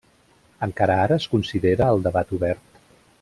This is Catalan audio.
Encara ara es considera el debat obert.